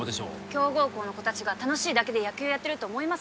強豪校の子たちが楽しいだけで野球やってると思います？